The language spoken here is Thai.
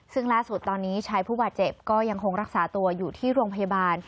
ซึ่งล่าสุดตอนนี้ชายผู้บาดเจ็บก็ยังคงรักษาตัวอยู่ที่โรงพยาบาล